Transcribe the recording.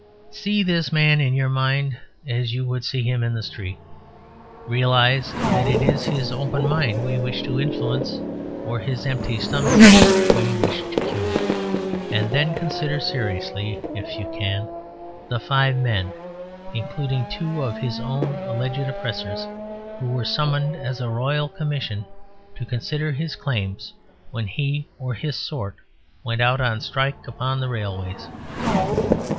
See this man in your mind as you see him in the street, realise that it is his open mind we wish to influence or his empty stomach we wish to cure, and then consider seriously (if you can) the five men, including two of his own alleged oppressors, who were summoned as a Royal Commission to consider his claims when he or his sort went out on strike upon the railways.